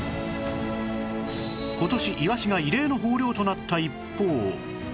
今年イワシが異例の豊漁となった一方